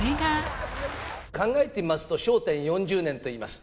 考えてみますと、笑点４０年といいます。